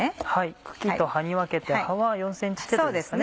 茎と葉に分けて葉は４ｃｍ程度ですかね。